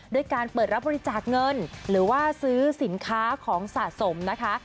ด้วยการเปิดรับบริจาคเงินหรือว่าซื้อสินค้าของสะสมนะคะ